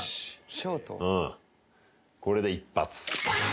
うんこれで一発。